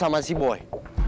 sama sama si bangkobar